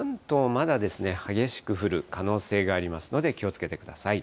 まだ激しく降る可能性がありますので気をつけてください。